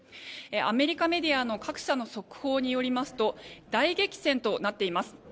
アメリカメディアの各社の速報によりますと大激戦となっています。